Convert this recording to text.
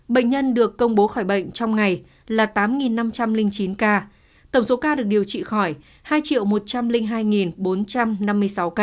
bệnh nhân được công bố khỏi bệnh trong ngày là tám năm trăm linh chín ca tổng số ca được điều trị khỏi hai một trăm linh hai bốn trăm năm mươi sáu ca